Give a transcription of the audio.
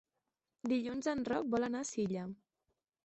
Dilluns en Roc vol anar a Silla.